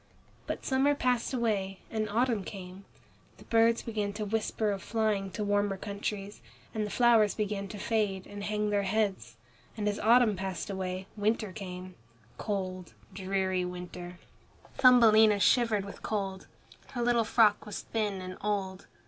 But summer passed away and autumn came. The birds began to whisper of flying to warmer countries, and the flowers began to fade and hang their heads, and as autumn passed away, winter came, cold, dreary winter. Thumbelina shivered with cold. Her little frock was thin and old.